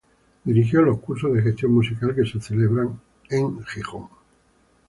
Dirigió los cursos de gestión musical que se celebraban en Gijón.